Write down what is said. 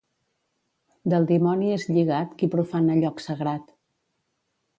Del dimoni és lligat qui profana lloc sagrat.